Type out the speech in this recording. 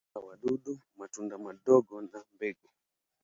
Hula wadudu, matunda madogo na mbegu.